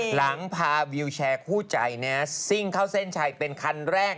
หลังพาวิวแชร์คู่ใจซิ่งเข้าเส้นชัยเป็นคันแรก